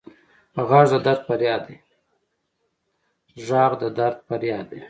غږ د درد فریاد دی